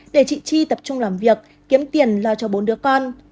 để chị chi tập trung làm việc kiếm tiền lo cho bốn đứa con